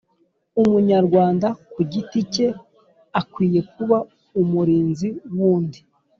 umunyarwanda ku giti ke akwiye kuba umurinzi wundi